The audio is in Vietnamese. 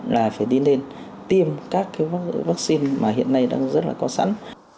là phải đi lên tiêm các cái vaccine mà hiện nay đang rất là có sẵn